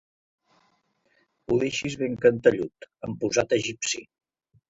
Ho deixis ben cantellut amb posat egipci.